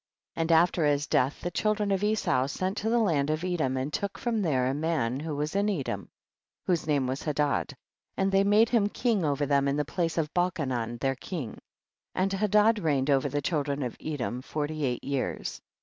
2. And after his death the children of Esau sent to the land of Edom, and took from there a man who was in Edom, whose name was Hadad, and they made him king over them in the place of Balchaiman, iheir king. 3. And Hadad reigned over the children of Edom forty eight years.